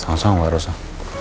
sama sama gak ada masalah